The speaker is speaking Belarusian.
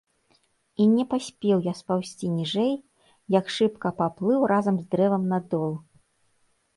І не паспеў я спаўзці ніжэй, як шыбка паплыў разам з дрэвам на дол.